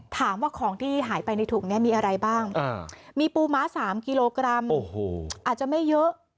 ถามว่าของที่หายไปในถุงนี้มีอะไรบ้างมีปูม้า๓กิโลกรัมอาจจะไม่เยอะ